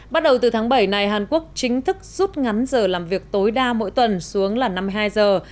bắt đầu từ tháng bảy này hàn quốc chính thức rút ngắn giờ làm việc tối đa mỗi tuần xuống là năm mươi hai giờ